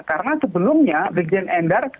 karena sebelumnya brigjen endar